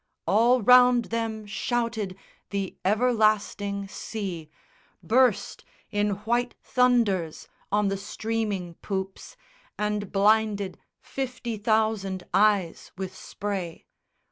All round them shouted the everlasting sea, Burst in white thunders on the streaming poops And blinded fifty thousand eyes with spray.